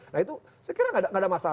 nah itu saya kira nggak ada masalah